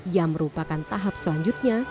yang merupakan tahap selanjutnya